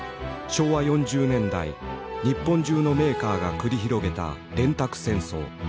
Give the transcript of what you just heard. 昭和４０年代日本中のメーカーが繰り広げた電卓戦争。